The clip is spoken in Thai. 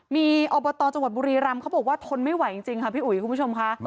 มีอบตจังหวัดบุรีรำเขาบอกว่าทนไม่ไหวจริงค่ะพี่อุ๋ยคุณผู้ชมค่ะ